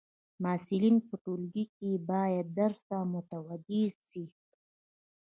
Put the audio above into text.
محصلین په ټولګی کي باید درس ته متوجي سي.